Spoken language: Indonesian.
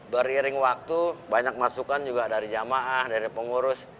beriring waktu banyak masukan juga dari jamaah dari pengurus